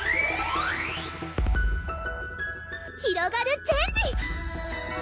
ひろがるチェンジ！